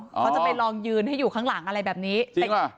เขาจะไปลองยืนให้อยู่ข้างหลังอะไรแบบนี้